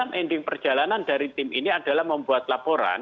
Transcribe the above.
nah di dalam ending perjalanan dari tim ini adalah membuat laporan